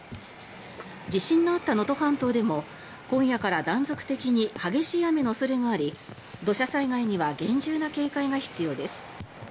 地震のあった能登半島でも今夜から断続的に激しい雨の恐れがあり土砂災害には厳重な警戒が必要です。